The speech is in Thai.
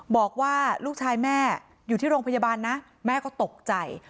บอกว่าลูกชายแม่อยู่ที่โรงพยาบาลนะแม่ก็ตกใจ